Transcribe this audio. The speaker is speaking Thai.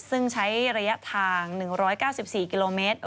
ซึ่งใช้ระยะทาง๑๙๔กิโลเมตร